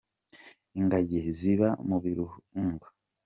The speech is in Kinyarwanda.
ingagi ziba mu birunga